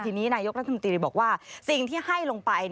ทีนี้นายกรัฐมนตรีบอกว่าสิ่งที่ให้ลงไป